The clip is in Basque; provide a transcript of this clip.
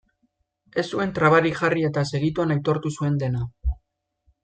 Ez zuen trabarik jarri eta segituan aitortu zuen dena.